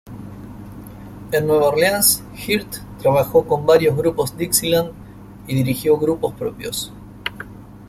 En Nueva Orleans Hirt trabajó con varios grupos Dixieland y dirigió grupos propios.